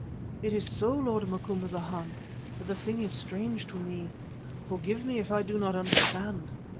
"It is so, lord Macumazana, but the thing is strange to me. Forgive me if I do not understand."